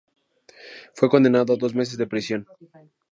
Fue condenado a dos meses de prisión.